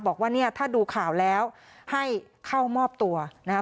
บอกว่าเนี่ยถ้าดูข่าวแล้วให้เข้ามอบตัวนะครับ